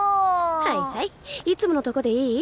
はいはいいつものとこでいい？